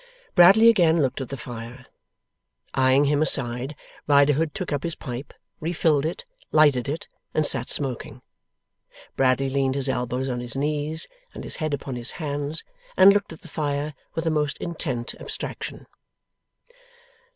Bradley again looked at the fire. Eyeing him aside, Riderhood took up his pipe, refilled it, lighted it, and sat smoking. Bradley leaned his elbows on his knees, and his head upon his hands, and looked at the fire with a most intent abstraction.